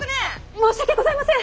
申し訳ございません！